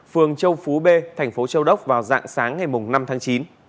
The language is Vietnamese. phường châu phú b tp châu đốc vào dạng sáng ngày năm tháng chín